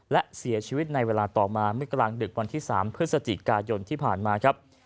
และเสียชีวิตในเวลาต่อมาเมื่อกลางดึกวันที่๓พฤศจิกายนที่ผ่านมาครับ